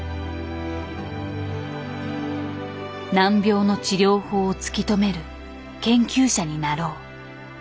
「難病の治療法を突き止める研究者になろう」。